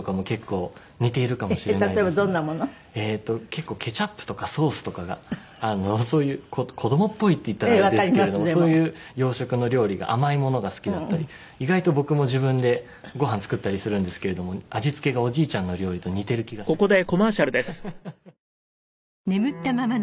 結構ケチャップとかソースとかがそういう子どもっぽいって言ったらあれですけれどもそういう洋食の料理が甘いものが好きだったり意外と僕も自分でごはん作ったりするんですけれども味付けがおじいちゃんの料理と似てる気がしますね。